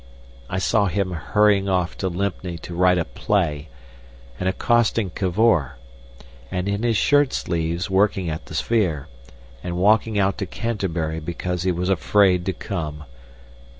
I saw him hurrying off to Lympne to write a play, and accosting Cavor, and in his shirt sleeves working at the sphere, and walking out to Canterbury because he was afraid to come!